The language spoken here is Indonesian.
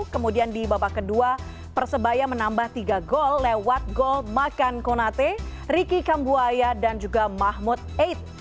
kemudian di babak kedua persebaya menambah tiga gol lewat gol makan konate riki kambuaya dan juga mahmud eid